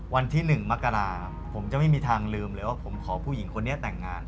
วันที่๑มกราผมจะไม่มีทางลืมเลยว่าผมขอผู้หญิงคนนี้แต่งงาน